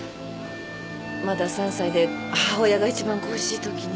まだ３歳で母親が一番恋しいときに。